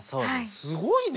すごいね。